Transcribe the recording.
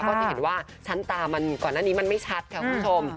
ก็จะเห็นว่าชั้นตามันก่อนหน้านี้มันไม่ชัดค่ะคุณผู้ชม